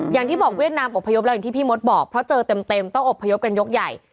อย่างที่บอกเวียดนามอบพยพแล้วอย่างที่พี่มดบอกเพราะเจอเต็มต้องอบพยพกันยกใหญ่